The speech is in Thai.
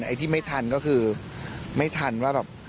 ไอ้ที่ไม่ทันก็คือไม่ทันว่าแบบ